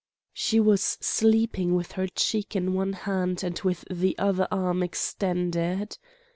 She was sleeping with her cheek in one hand and with the other arm extended.